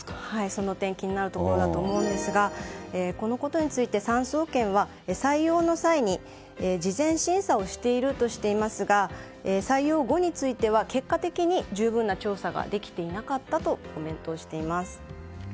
その点、気になるところだと思いますがこのことについて産総研は採用の際に事前審査をしているとしていますが採用後については結果的に十分な調査ができていなかったとコメントしています。